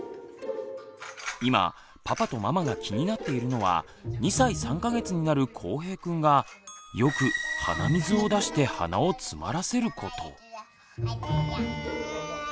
今パパとママが気になっているのは２歳３か月になるこうへいくんがよく鼻水を出して鼻をつまらせること。